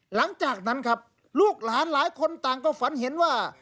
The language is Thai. หลังจากนั้นครับลูกหลานหลายคนต่างก็ฝันเห็นว่า